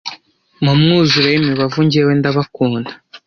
mu mwuzure w'imibavu njyewe ndabakunda